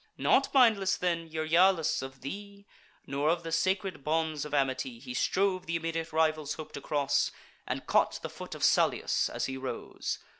Not mindless then, Euryalus, of thee, Nor of the sacred bonds of amity, He strove th' immediate rival's hope to cross, And caught the foot of Salius as he rose.